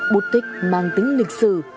bút tích mang tính lịch sử